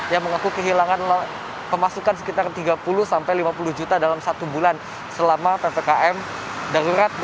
yang mengaku kehilangan pemasukan sekitar tiga puluh sampai lima puluh juta dalam satu bulan selama ppkm darurat